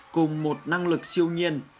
cùng một năng lực siêu nhiên